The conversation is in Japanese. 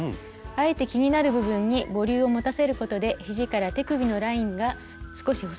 あえて気になる部分にボリュームを持たせることで肘から手首のラインが少し細く見えます。